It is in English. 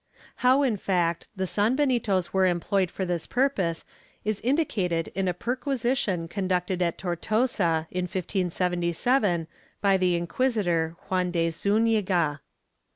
^ How, in fact, the sanbenitos were employed for this purpose is indicated in a perquisition conducted at Tortosa, in 1577, by the inquisitor, Juan de Zufiiga.